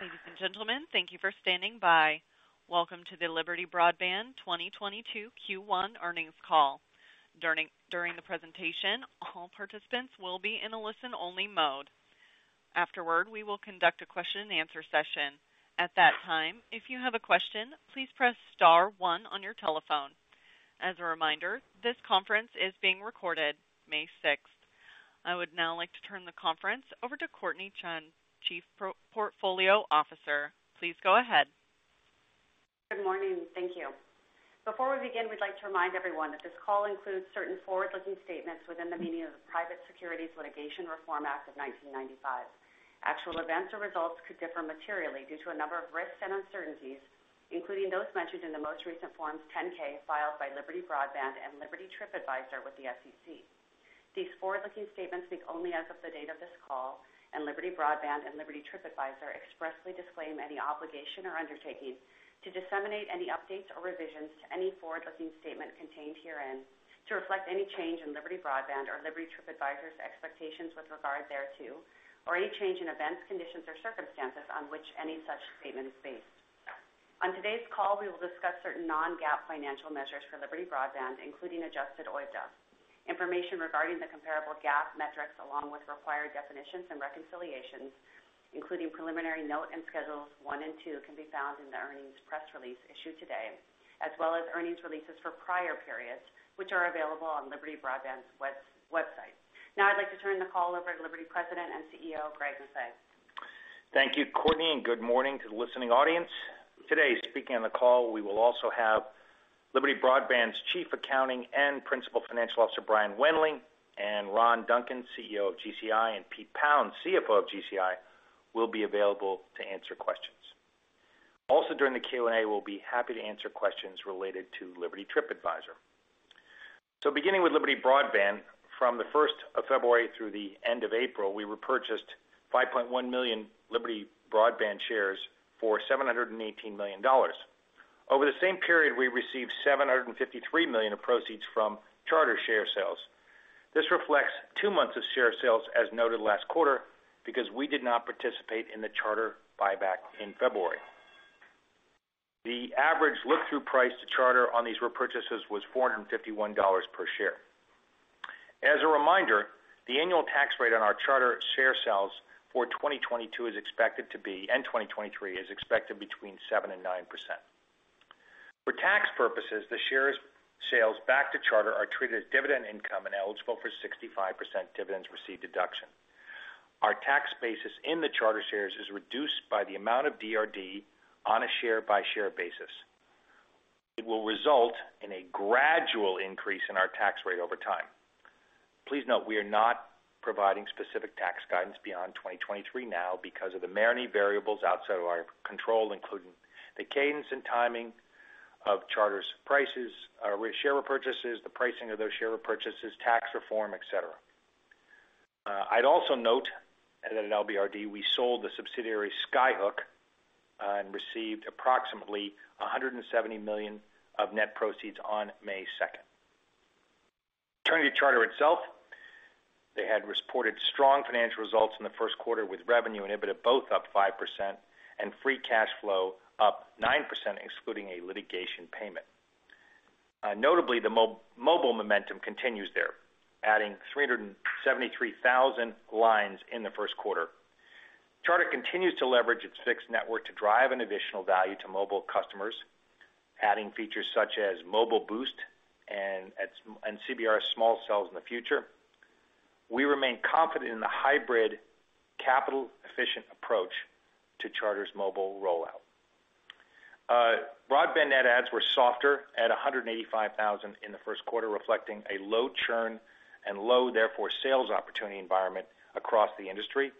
Ladies and gentlemen, thank you for standing by. Welcome to the Liberty Broadband 2022 Q1 Earnings Call. During the presentation, all participants will be in a listen-only mode. Afterward, we will conduct a question and answer session. At that time, if you have a question, please press star one on your telephone. As a reminder, this conference is being recorded May 6th. I would now like to turn the conference over to Courtnee Chun, Chief Portfolio Officer. Please go ahead. Good morning. Thank you. Before we begin, we'd like to remind everyone that this call includes certain forward-looking statements within the meaning of the Private Securities Litigation Reform Act of 1995. Actual events or results could differ materially due to a number of risks and uncertainties, including those mentioned in the most recent Forms 10-K filed by Liberty Broadband and Liberty TripAdvisor with the SEC. These forward-looking statements speak only as of the date of this call, and Liberty Broadband and Liberty TripAdvisor expressly disclaim any obligation or undertaking to disseminate any updates or revisions to any forward-looking statement contained herein to reflect any change in Liberty Broadband or Liberty TripAdvisor expectations with regard thereto, or any change in events, conditions, or circumstances on which any such statement is based. On today's call, we will discuss certain non-GAAP financial measures for Liberty Broadband, including adjusted OIBDA. Information regarding the comparable GAAP metrics, along with required definitions and reconciliations, including preliminary note and schedules one and two, can be found in the earnings press release issued today, as well as earnings releases for prior periods, which are available on Liberty Broadband's website. Now I'd like to turn the call over to Liberty President and CEO, Greg Maffei. Thank you, Courtney, and good morning to the listening audience. Today, speaking on the call, we will also have Liberty Broadband's Chief Accounting and Principal Financial Officer, Brian Wendling, and Ron Duncan, CEO of GCI, and Pete Pound, CFO of GCI, will be available to answer questions. Also during the Q&A, we'll be happy to answer questions related to Liberty TripAdvisor. Beginning with Liberty Broadband, from the first of February through the end of April, we repurchased 5.1 million Liberty Broadband shares for $718 million. Over the same period, we received $753 million of proceeds from Charter share sales. This reflects two months of share sales as noted last quarter because we did not participate in the Charter buyback in February. The average look-through price to Charter on these repurchases was $451 per share. As a reminder, the annual tax rate on our Charter share sales for 2022 is expected to be, and 2023, is expected between 7%-9%. For tax purposes, the share sales back to Charter are treated as dividend income and eligible for 65% dividends received deduction. Our tax basis in the Charter shares is reduced by the amount of DRD on a share-by-share basis. It will result in a gradual increase in our tax rate over time. Please note we are not providing specific tax guidance beyond 2023 now because of the many variables outside of our control, including the cadence and timing of Charter's repurchase prices, share repurchases, the pricing of those share repurchases, tax reform, et cetera. I'd also note that at LBRD, we sold the subsidiary Skyhook, and received approximately $170 million of net proceeds on May second. Turning to Charter itself, they had reported strong financial results in the first quarter, with revenue and EBITDA both up 5% and free cash flow up 9%, excluding a litigation payment. Notably, the mobile momentum continues there, adding 373,000 lines in the first quarter. Charter continues to leverage its fixed network to drive an additional value to mobile customers, adding features such as Mobile Boost and CBRS small cells in the future. We remain confident in the hybrid capital efficient approach to Charter's mobile rollout. Broadband net adds were softer at 185,000 in the first quarter, reflecting a low churn and low, therefore, sales opportunity environment across the industry.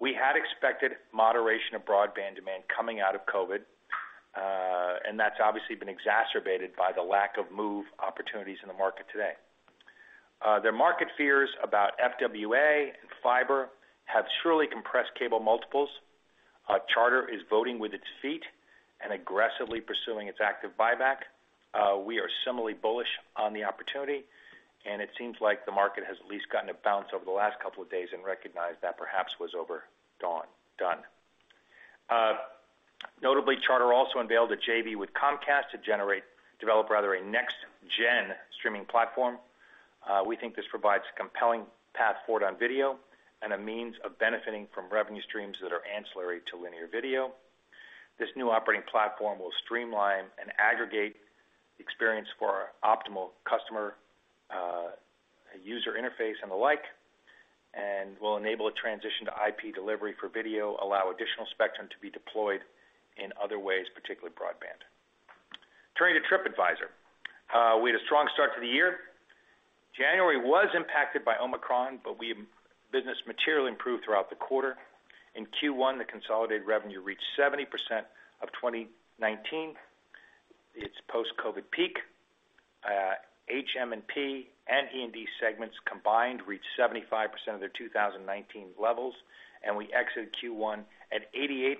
We had expected moderation of broadband demand coming out of COVID, and that's obviously been exacerbated by the lack of move opportunities in the market today. The market fears about FWA and fiber have surely compressed cable multiples. Charter is voting with its feet and aggressively pursuing its active buyback. We are similarly bullish on the opportunity, and it seems like the market has at least gotten a bounce over the last couple of days and recognized that perhaps was overdone. Notably, Charter also unveiled a JV with Comcast to develop rather a next-gen streaming platform. We think this provides a compelling path forward on video and a means of benefiting from revenue streams that are ancillary to linear video. This new operating platform will streamline and aggregate experience for optimal customer user interface and the like, and will enable a transition to IP delivery for video, allow additional spectrum to be deployed in other ways, particularly broadband. Turning to TripAdvisor. We had a strong start to the year. January was impacted by Omicron, but business materially improved throughout the quarter. In Q1, the consolidated revenue reached 70% of 2019, its post-COVID peak. HM&P and E&D segments combined reached 75% of their 2019 levels, and we exited Q1 at 88%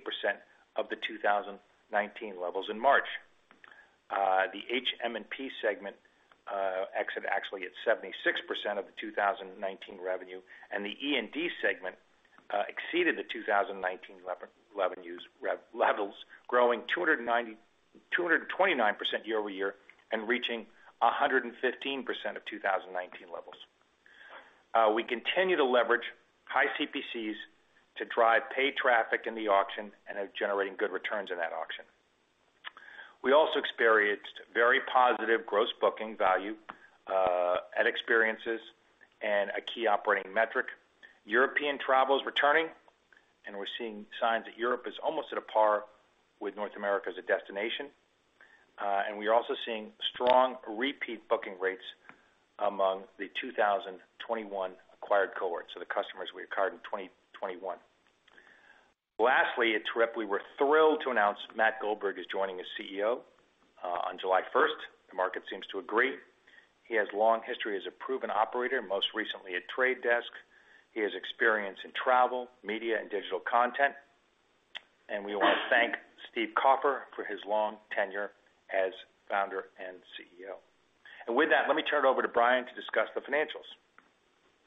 of the 2019 levels in March. The HM&P segment exited actually at 76% of the 2019 revenue, and the E&D segment exceeded the 2019 revenue levels, growing 229% year-over-year and reaching 115% of 2019 levels. We continue to leverage high CPCs to drive paid traffic in the auction and are generating good returns in that auction. We also experienced very positive gross booking value at experiences and a key operating metric. European travel is returning, and we're seeing signs that Europe is almost at a par with North America as a destination. We are also seeing strong repeat booking rates among the 2021 acquired cohorts, so the customers we acquired in 2021. Lastly, at Trip we were thrilled to announce Matt Goldberg is joining as CEO on July first. The market seems to agree. He has long history as a proven operator, most recently at The Trade Desk. He has experience in travel, media and digital content. We want to thank Steve Kaufer for his long tenure as founder and CEO. With that, let me turn it over to Brian to discuss the financials.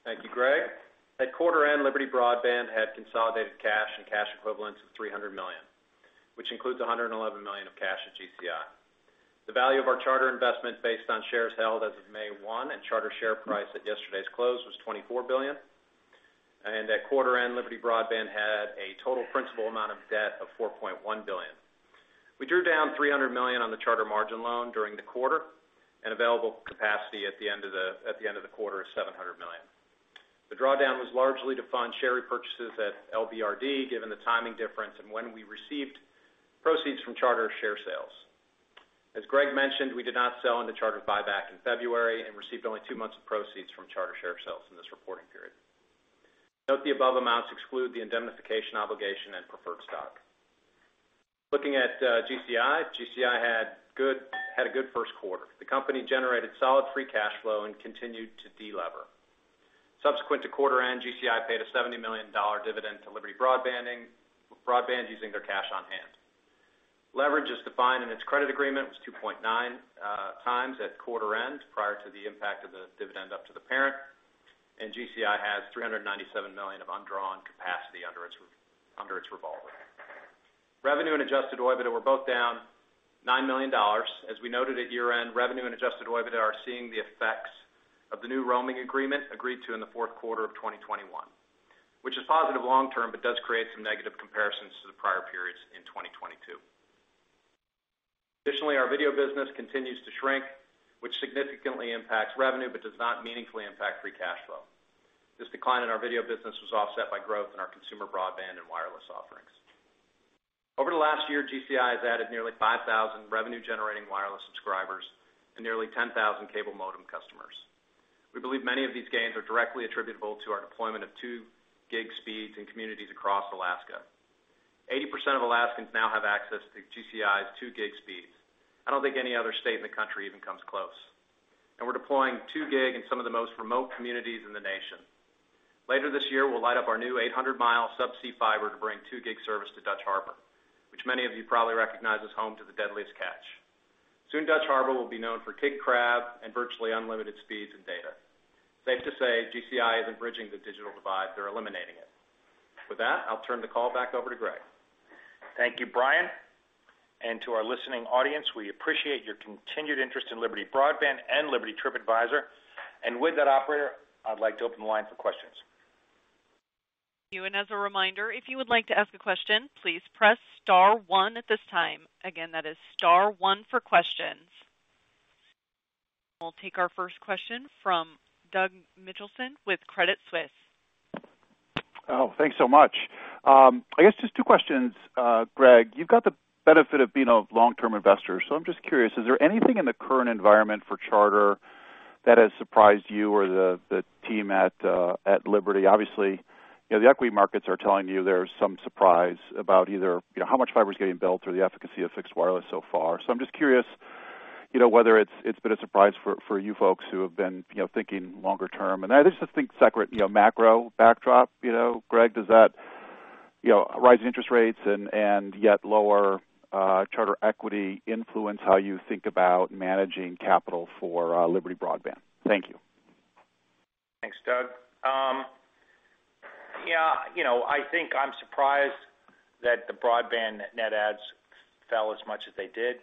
Thank you, Greg. At quarter end, Liberty Broadband had consolidated cash and cash equivalents of $300 million, which includes $111 million of cash at GCI. The value of our Charter investment based on shares held as of May 1 and Charter share price at yesterday's close was $24 billion. At quarter end, Liberty Broadband had a total principal amount of debt of $4.1 billion. We drew down $300 million on the Charter margin loan during the quarter and available capacity at the end of the quarter is $700 million. The drawdown was largely to fund share repurchases at LBRD, given the timing difference and when we received proceeds from Charter share sales. As Greg mentioned, we did not sell into Charter buyback in February and received only two months of proceeds from Charter share sales in this reporting period. Note, the above amounts exclude the indemnification obligation and preferred stock. Looking at GCI. GCI had a good first quarter. The company generated solid free cash flow and continued to delever. Subsequent to quarter end, GCI paid a $70 million dividend to Liberty Broadband using their cash on hand. Leverage as defined in its credit agreement was 2.9x at quarter end prior to the impact of the dividend to the parent, and GCI has $397 million of undrawn capacity under its revolver. Revenue and adjusted OIBDA were both down $9 million. As we noted at year-end, revenue and adjusted OIBDA are seeing the effects of the new roaming agreement agreed to in the fourth quarter of 2021, which is positive long-term but does create some negative comparisons to the prior periods in 2022. Additionally, our video business continues to shrink, which significantly impacts revenue but does not meaningfully impact free cash flow. This decline in our video business was offset by growth in our consumer broadband and wireless offerings. Over the last year, GCI has added nearly 5,000 revenue generating wireless subscribers and nearly 10,000 cable modem customers. We believe many of these gains are directly attributable to our deployment of 2 gig speeds in communities across Alaska. 80% of Alaskans now have access to GCI's 2 gig speeds. I don't think any other state in the country even comes close. We're deploying 2 gig in some of the most remote communities in the nation. Later this year, we'll light up our new 800-mile subsea fiber to bring 2 gig service to Dutch Harbor, which many of you probably recognize as home to the Deadliest Catch. Soon, Dutch Harbor will be known for king crab and virtually unlimited speeds and data. Safe to say GCI isn't bridging the digital divide, they're eliminating it. With that, I'll turn the call back over to Greg. Thank you, Brian. To our listening audience, we appreciate your continued interest in Liberty Broadband and Liberty TripAdvisor. With that operator, I'd like to open the line for questions. As a reminder, if you would like to ask a question, please press star one at this time. Again, that is star one for questions. We'll take our first question from Doug Mitchelson with Credit Suisse. Oh, thanks so much. I guess just two questions, Greg. You've got the benefit of being a long-term investor, so I'm just curious, is there anything in the current environment for Charter that has surprised you or the team at Liberty? Obviously, the equity markets are telling you there's some surprise about either how much fiber is getting built or the efficacy of fixed wireless so far. So I'm just curious, you know, whether it's been a surprise for you folks who have been thinking longer term. I just think separately macro backdrop, Greg does that, you know, rising interest rates and yet lower Charter equity influence how you think about managing capital for Liberty Broadband? Thank you. Thanks, Doug. I think I'm surprised that the broadband net adds fell as much as they did.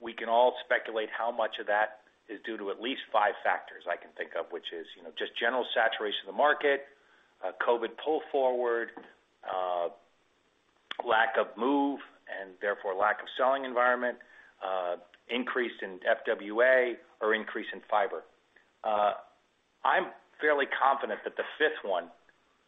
We can all speculate how much of that is due to at least five factors I can think of, which is just general saturation of the market, COVID pull forward, lack of move, and therefore lack of selling environment, increase in FWA or increase in fiber. I'm fairly confident that the fifth one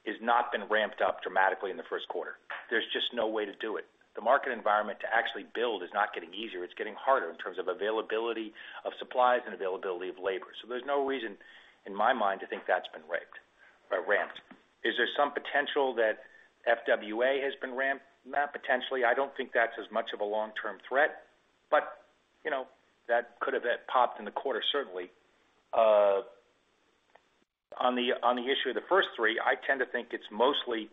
is not been ramped up dramatically in the first quarter. There's just no way to do it. The market environment to actually build is not getting easier, it's getting harder in terms of availability of supplies and availability of labor. So there's no reason, in my mind, to think that's been rigged or ramped. Is there some potential that FWA has been ramped? Not potentially. I don't think that's as much of a long-term threat, but that could have popped in the quarter, certainly. On the issue of the first three, I tend to think it's mostly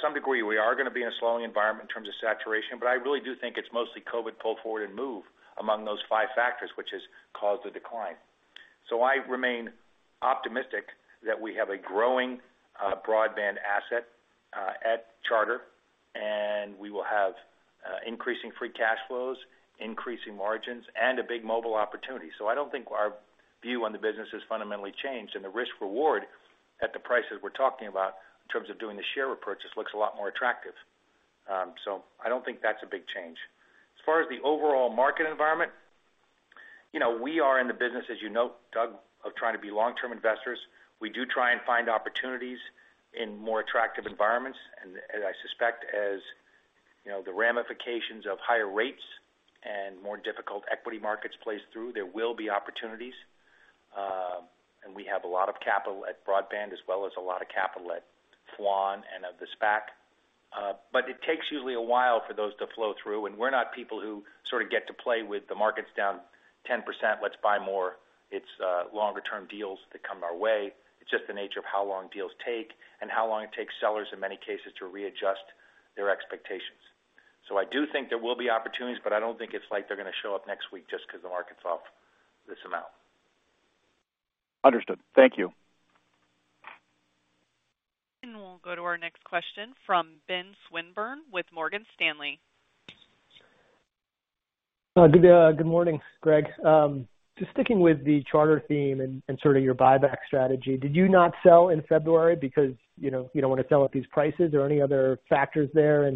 some degree we are gonna be in a slowing environment in terms of saturation, but I really do think it's mostly COVID pull forward and move among those five factors, which has caused the decline. I remain optimistic that we have a growing broadband asset at Charter, and we will have increasing free cash flows, increasing margins, and a big mobile opportunity. I don't think our view on the business has fundamentally changed. The risk reward at the prices we're talking about in terms of doing the share repurchase looks a lot more attractive. I don't think that's a big change. As far as the overall market environment we are in the business, as you note, Doug, of trying to be long-term investors. We do try and find opportunities in more attractive environments. As I suspect, the ramifications of higher rates and more difficult equity markets plays through, there will be opportunities. We have a lot of capital at broadband as well as a lot of capital at FLAN and of the SPAC. But it takes usually a while for those to flow through. We're not people who sort of get to play with the market's down 10%, let's buy more. It's longer term deals that come our way. It's just the nature of how long deals take and how long it takes sellers in many cases to readjust their expectations. I do think there will be opportunities, but I don't think it's like they're gonna show up next week just 'cause the market's off this amount. Understood. Thank you. We'll go to our next question from Ben Swinburne with Morgan Stanley. Good morning, Greg. Just sticking with the Charter theme and sort of your buyback strategy, did you not sell in February because you don't wanna sell at these prices or any other factors there?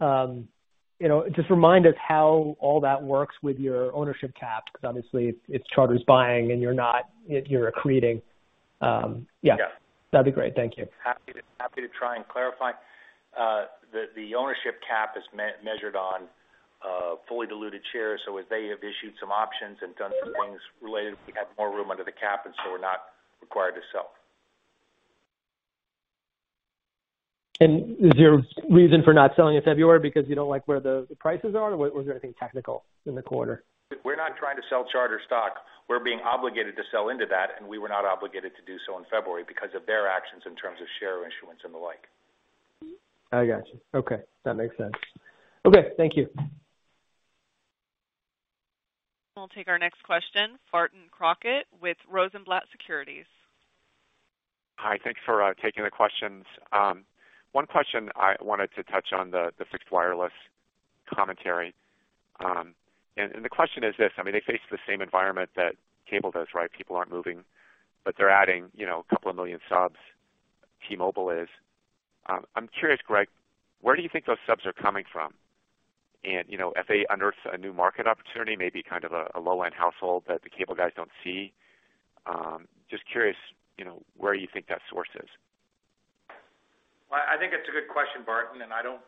Just remind us how all that works with your ownership cap, because obviously it's Charter's buying and you're not, you're accreting. Yeah. That'd be great. Thank you. Happy to try and clarify. The ownership cap is measured on fully diluted shares. As they have issued some options and done some things related, we have more room under the cap, and so we're not required to sell. Is your reason for not selling in February because you don't like where the prices are, or was there anything technical in the quarter? We're not trying to sell Charter stock. We're being obligated to sell into that, and we were not obligated to do so in February because of their actions in terms of share issuance and the like. I got you. Okay, that makes sense. Okay, thank you. We'll take our next question, Barton Crockett with Rosenblatt Securities. Hi. Thanks for taking the questions. One question I wanted to touch on the fixed wireless commentary. The question is this, I mean, they face the same environment that cable does, right? People aren't moving, but they're adding a couple of million subs, T-Mobile is. I'm curious, Greg, where do you think those subs are coming from? You know, have they unearthed a new market opportunity, maybe kind of a low-end household that the cable guys don't see? Just curious, you know, where you think that source is. Well, I think it's a good question, Barton, and I don't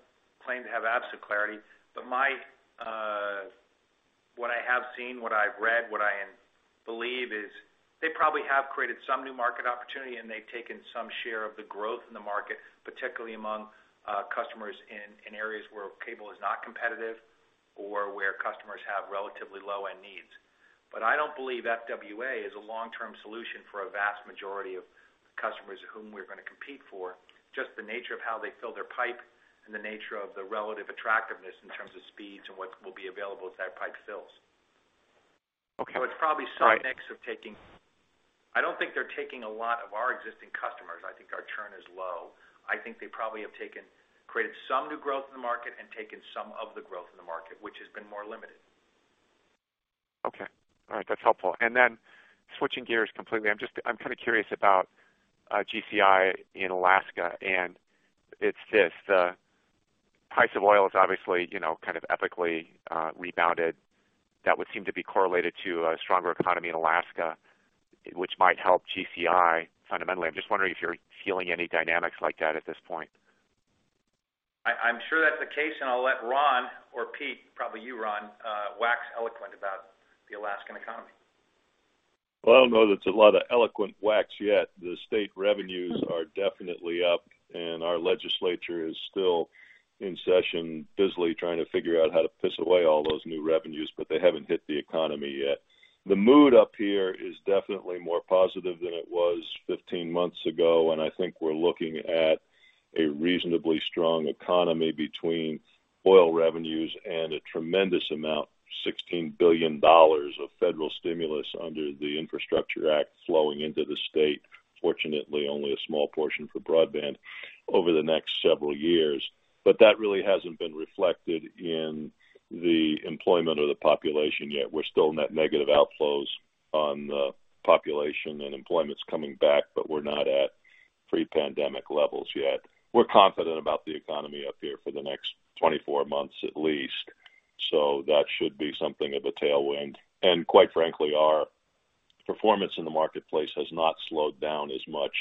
claim to have absolute clarity. My what I have seen, what I've read, what I believe is they probably have created some new market opportunity, and they've taken some share of the growth in the market, particularly among customers in areas where cable is not competitive or where customers have relatively low-end needs. I don't believe FWA is a long-term solution for a vast majority of customers whom we're gonna compete for, just the nature of how they fill their pipe and the nature of the relative attractiveness in terms of speeds and what will be available as that pipe fills. Okay. It's probably some mix of taking. I don't think they're taking a lot of our existing customers. I think our churn is low. I think they probably have created some new growth in the market and taken some of the growth in the market, which has been more limited. Okay. All right. That's helpful. Switching gears completely, I'm kinda curious about GCI in Alaska, and it's this. The price of oil has obviously kind of epically rebounded. That would seem to be correlated to a stronger economy in Alaska, which might help GCI fundamentally. I'm just wondering if you're feeling any dynamics like that at this point? I'm sure that's the case, and I'll let Ron or Pete, probably you, Ron, wax eloquent about the Alaskan economy. Well, I don't know that it's a lot of eloquent wax yet. The state revenues are definitely up, and our legislature is still in session busily trying to figure out how to piss away all those new revenues, but they haven't hit the economy yet. The mood up here is definitely more positive than it was 15 months ago, and I think we're looking at a reasonably strong economy between oil revenues and a tremendous amount, $16 billion of federal stimulus under the Infrastructure Act flowing into the state. Fortunately, only a small portion for broadband over the next several years. That really hasn't been reflected in the employment or the population yet. We're still net negative outflows of the population and employment's coming back, but we're not at pre-pandemic levels yet. We're confident about the economy up here for the next 24 months at least. That should be something of a tailwind. Quite frankly, our performance in the marketplace has not slowed down as much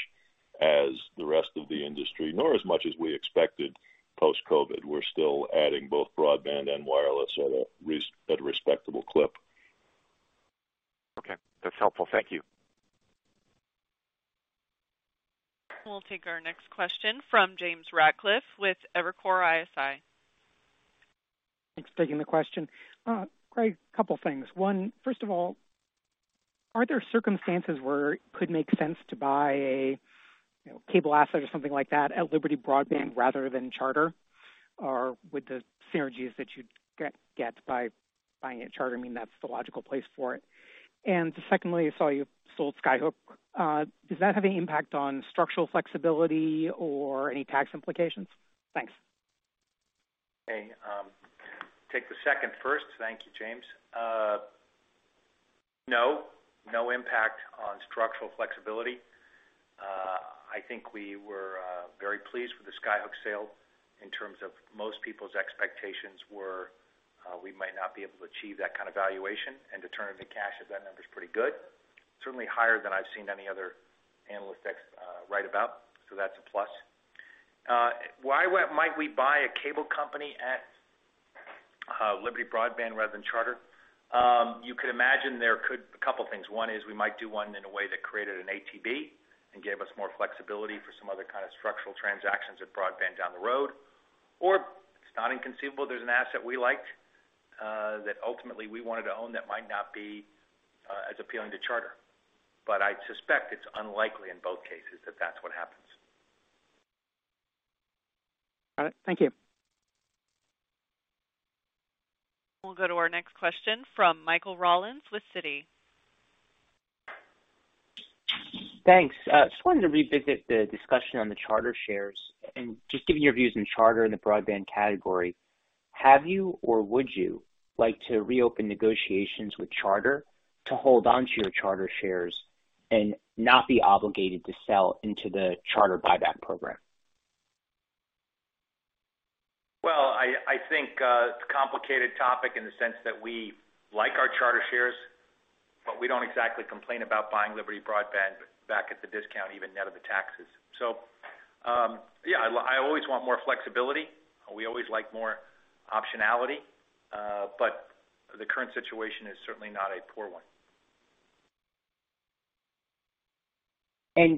as the rest of the industry, nor as much as we expected post-COVID. We're still adding both broadband and wireless at a respectable clip. Okay. That's helpful. Thank you. We'll take our next question from James Ratcliffe with Evercore ISI. Thanks for taking the question. Greg, couple things. One, first of all, are there circumstances where it could make sense to buy a cable asset or something like that at Liberty Broadband rather than Charter? Or with the synergies that you'd get by buying at Charter, that's the logical place for it. Secondly, I saw you sold Skyhook. Does that have any impact on structural flexibility or any tax implications? Thanks. Okay. Take the second first. Thank you, James. No impact on structural flexibility. I think we were very pleased with the Skyhook sale in terms of most people's expectations were that we might not be able to achieve that kind of valuation and to turn it into cash at that number is pretty good. Certainly higher than I've seen any other analyst write about, so that's a plus. Why might we buy a cable company at Liberty Broadband rather than Charter? You could imagine there could be a couple things. One is we might do one in a way that created an ATB and gave us more flexibility for some other kind of structural transactions at Broadband down the road. It's not inconceivable there's an asset we liked, that ultimately we wanted to own that might not be, as appealing to Charter. I suspect it's unlikely in both cases that that's what happens. Got it. Thank you. We'll go to our next question from Michael Rollins with Citi. Thanks. Just wanted to revisit the discussion on the Charter shares and just giving your views on Charter in the broadband category. Have you or would you like to reopen negotiations with Charter to hold onto your Charter shares and not be obligated to sell into the Charter buyback program? I think it's a complicated topic in the sense that we like our Charter shares, but we don't exactly complain about buying Liberty Broadband back at the discount, even net of the taxes. Yeah, I always want more flexibility. We always like more optionality, but the current situation is certainly not a poor one.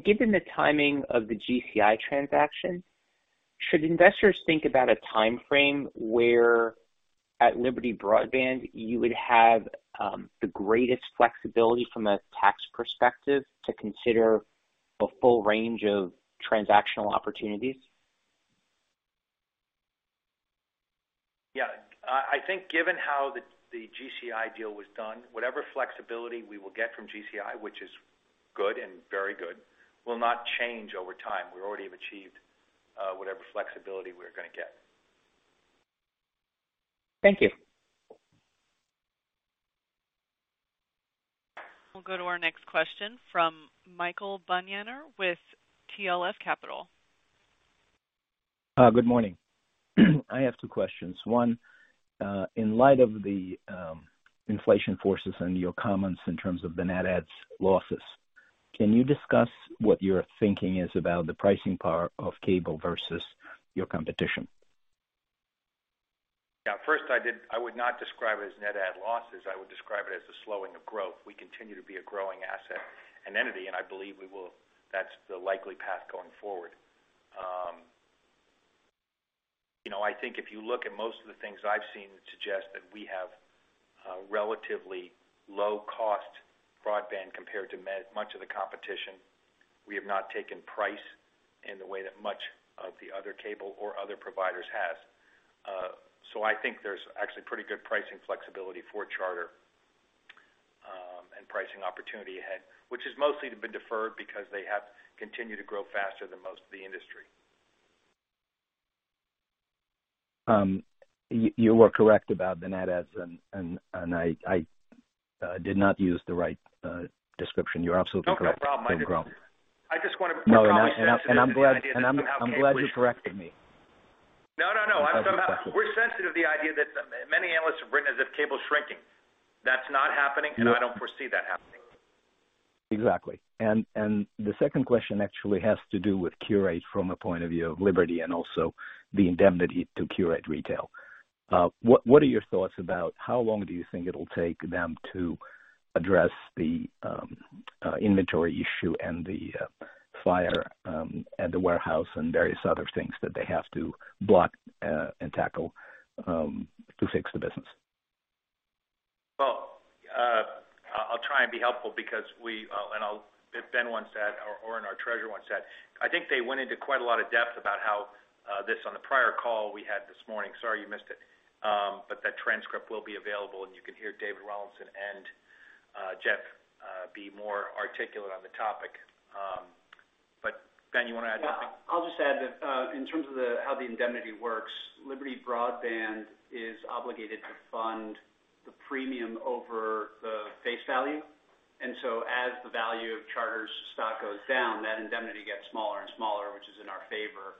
Given the timing of the GCI transaction, should investors think about a timeframe where at Liberty Broadband, you would have the greatest flexibility from a tax perspective to consider a full range of transactional opportunities? Yeah. I think given how the GCI deal was done, whatever flexibility we will get from GCI, which is good and very good, will not change over time. We already have achieved whatever flexibility we're gonna get. Thank you. We'll go to our next question from Michael Bunyaner with TLF Capital. Good morning. I have two questions. One, in light of the inflation forces and your comments in terms of the net adds losses, can you discuss what your thinking is about the pricing power of cable versus your competition? Yeah. First, I would not describe it as net add losses. I would describe it as a slowing of growth. We continue to be a growing asset and entity, and I believe we will. That's the likely path going forward. If you look at most of the things I've seen suggest that we have a relatively low cost broadband compared to much of the competition. We have not taken price in the way that much of the other cable or other providers has. I think there's actually pretty good pricing flexibility for Charter, and pricing opportunity ahead, which has mostly been deferred because they have continued to grow faster than most of the industry. You were correct about the net adds, and I did not use the right description. You're absolutely correct. No, not a problem. It did grow. I just want to. No, I'm glad you corrected me. No, no. We're sensitive to the idea that many analysts have written as if cable is shrinking. That's not happening, and I don't foresee that happening. Exactly. The second question actually has to do with Qurate from a point of view of Liberty and also the indemnity to Qurate Retail. What are your thoughts about how long do you think it'll take them to address the inventory issue and the fire at the warehouse and various other things that they have to block and tackle to fix the business? Well, I'll try and be helpful. Ben once said, or our treasurer once said, I think they went into quite a lot of depth about how this, on the prior call we had this morning. Sorry, you missed it. That transcript will be available, and you can hear David Rawlinson and Jeff be more articulate on the topic. Ben, you wanna add something? Yeah. I'll just add that, in terms of how the indemnity works, Liberty Broadband is obligated to fund the premium over the face value. As the value of Charter's stock goes down, that indemnity gets smaller and smaller, which is in our favor.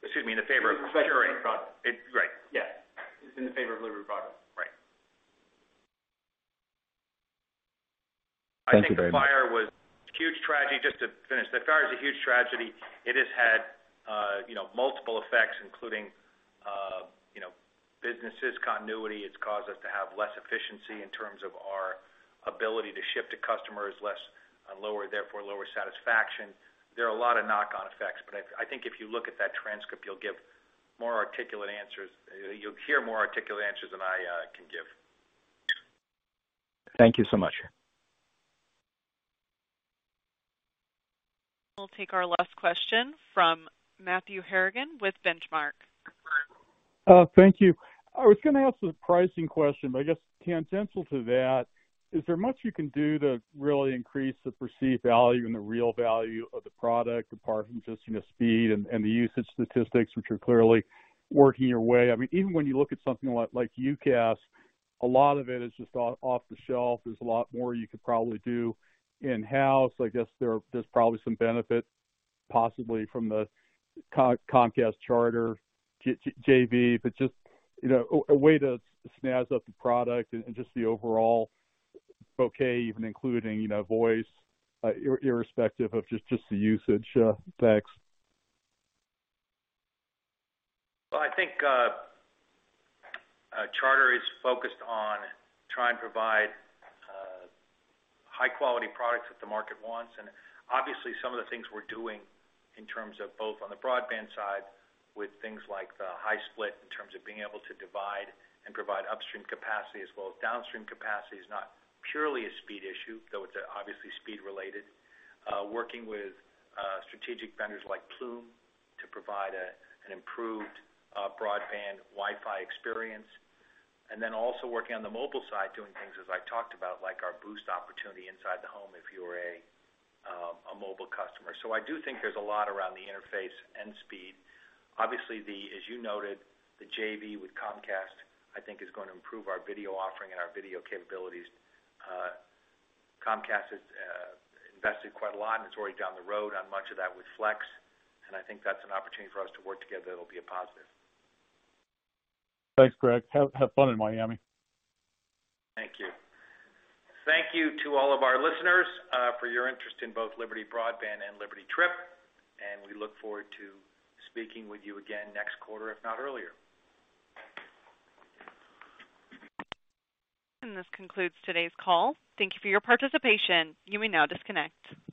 Excuse me, in the favor of Qurate. Liberty Broadband. Right. Yeah. It's in the favor of Liberty Broadband. Right. Thank you very much. I think the fire was a huge tragedy, just to finish. That fire is a huge tragedy. It has had multiple effects, including business continuity. It's caused us to have less efficiency in terms of our ability to ship to customers less and lower, therefore lower satisfaction. There are a lot of knock-on effects, but I think if you look at that transcript, you'll give more articulate answers. You'll hear more articulate answers than I can give. Thank you so much. We'll take our last question from Matthew Harrigan with Benchmark. Thank you. I was gonna ask a pricing question, but I guess tangential to that, is there much you can do to really increase the perceived value and the real value of the product apart from just speed and the usage statistics, which are clearly working your way? I mean, even when you look at something like UCaaS, a lot of it is just off the shelf. There's a lot more you could probably do in-house. I guess there's probably some benefit, possibly from the Comcast Charter, JV, but just a way to snazz up the product and just the overall bouquet, even including, you know, voice, irrespective of just the usage effects. Well, I think Charter is focused on trying to provide high-quality products that the market wants. Obviously, some of the things we're doing in terms of both on the broadband side with things like the high split, in terms of being able to divide and provide upstream capacity as well as downstream capacity is not purely a speed issue, though it's obviously speed related. Working with strategic vendors like Plume to provide an improved broadband Wi-Fi experience, and then also working on the mobile side, doing things, as I talked about, like our Boost opportunity inside the home if you are a mobile customer. I do think there's a lot around the interface and speed. Obviously, as you noted, the JV with Comcast, I think, is gonna improve our video offering and our video capabilities. Comcast has invested quite a lot, and it's already down the road on much of that with Flex, and I think that's an opportunity for us to work together that'll be a positive. Thanks, Greg. Have fun in Miami. Thank you. Thank you to all of our listeners, for your interest in both Liberty Broadband and Liberty Trip, and we look forward to speaking with you again next quarter, if not earlier. This concludes today's call. Thank you for your participation. You may now disconnect.